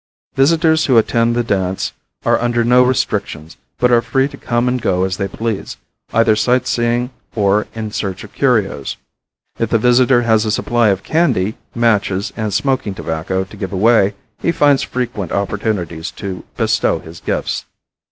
Visitors who attend the dance are under no restrictions, but are free to come and go as they please, either sightseeing or in search of curios. If the visitor has a supply of candy, matches and smoking tobacco to give away he finds frequent opportunities to bestow his gifts.